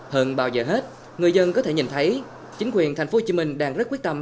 hơn bao giờ hết người dân có thể nhìn thấy chính quyền tp hcm đang rất quyết tâm